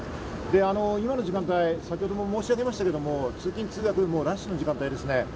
今の時間帯、先程も申し上げましたが、通勤・通学ラッシュの時間帯ですね。